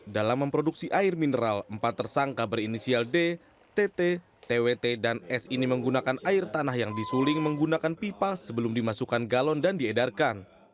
dalam memproduksi air mineral empat tersangka berinisial d tt twt dan s ini menggunakan air tanah yang disuling menggunakan pipa sebelum dimasukkan galon dan diedarkan